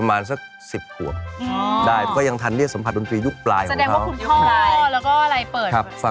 มันเห็นแบบเป็นแสงสว่างมาว่า